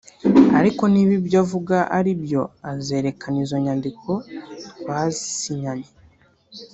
ariko niba ibyo avuga ari byo azerekana izo nyandiko twasinyanye